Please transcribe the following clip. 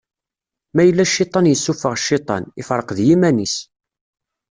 Ma yella Cciṭan yessufeɣ Cciṭan, ifreq d yiman-is.